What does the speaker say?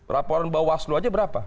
raporan mbak waslu aja berapa